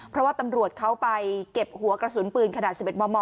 เพราะว่าตำรวจเขาไปเก็บหัวกระสุนปืนขนาด๑๑มม